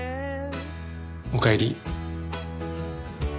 おかえり。